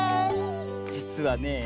じつはねえ